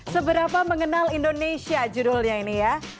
seberapa mengenal indonesia judulnya ini ya